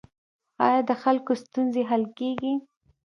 آیا د خلکو ستونزې حل کیږي؟